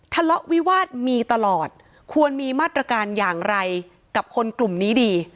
ทะเลาะวิวาสมีตลอดควรมีมาตรการอย่างไรกับคนกลุ่มนี้ดี